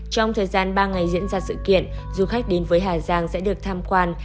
trong thời gian ba ngày diễn ra sự kiện du khách đến với hà giang sẽ được tham quan